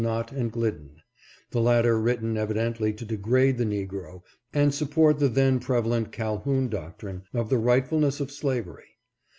Nott and Glid den, the latter written evidently to degrade the Negro and support the then prevalent Calhoun doctrine of the right fulness of slavery.